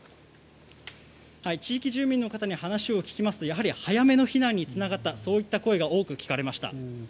地域住民の方に話を聞きますとやはり早めの避難につながったそういった声が多く聞かれました。